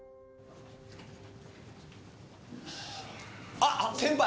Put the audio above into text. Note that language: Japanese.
あっ先輩！